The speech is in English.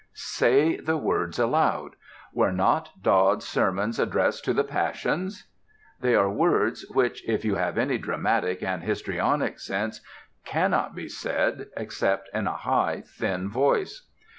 Say the words aloud: "Were not Dodd's sermons addressed to the passions?" They are words which, if you have any dramatic and histrionic sense, cannot be said except in a high, thin voice.